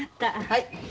はい。